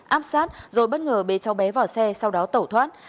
áp sát rồi bất ngờ bế cháu bé vào xe sau đó tẩu thoát